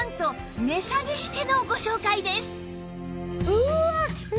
うわ！